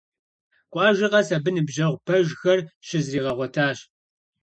Къуажэ къэс абы ныбжьэгъу пэжхэр щызригъэгъуэтащ.